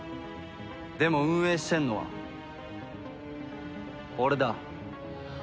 でも運営してるのは俺だ。